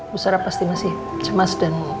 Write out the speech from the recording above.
musara pasti masih cemas dan